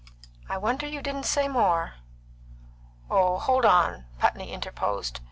"I wonder you didn't say more." "Oh, hold on!" Putney interposed.